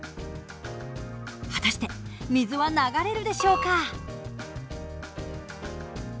果たして水は流れるでしょうか？